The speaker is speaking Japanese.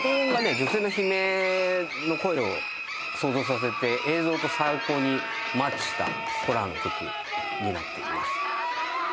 女性の悲鳴の声を想像させて映像と最高にマッチしたホラーの曲になっています